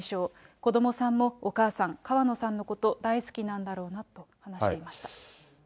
子どもさんもお母さん、川野さんのこと、大好きなんだろうなと話していました。